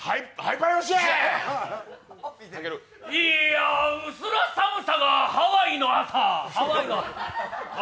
いや、薄ら寒さがハワイの朝！